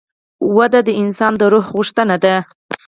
وده د انسان د روح غوښتنه ده.